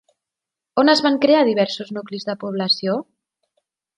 On es van crear diversos nuclis de població?